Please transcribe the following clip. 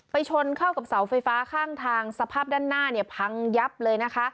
ชนเข้ากับเสาไฟฟ้าข้างทางสภาพด้านหน้าเนี่ยพังยับเลยนะคะ